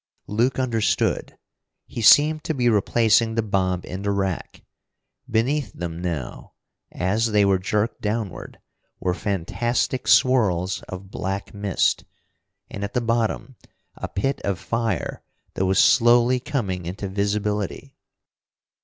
Luke understood. He seemed to be replacing the bomb in the rack. Beneath them now, as they were jerked downward, were fantastic swirls of black mist, and, at the bottom, a pit of fire that was slowly coming into visibility.